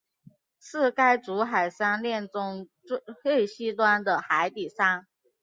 是该组海山炼中最西端的海底山。